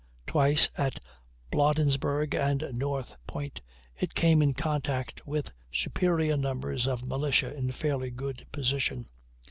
Twice, at Bladensburg and North Point, it came in contact with superior numbers of militia in fairly good position.